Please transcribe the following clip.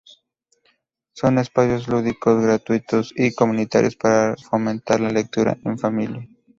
Son espacios lúdicos, gratuitos y comunitarios para fomentar la lectura en familia.